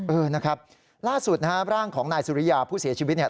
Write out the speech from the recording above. เออนะครับล่าสุดนะฮะร่างของนายสุริยาผู้เสียชีวิตเนี่ย